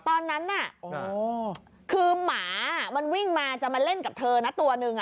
ตอนนั้นน่ะคือหมามันวิ่งมาจะมาเล่นกับเธอนะตัวหนึ่ง